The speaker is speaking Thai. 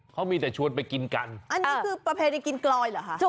เขามีแต่ชวนไปกินกันอันนี้คือประเพณีกินกลอยเหรอคะ